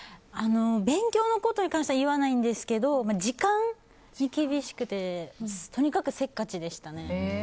勉強のことに関しては言わないんですけど時間に厳しくてとにかくせっかちでしたね。